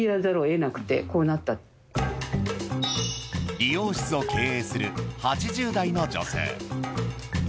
理容室を経営する８０代の女性。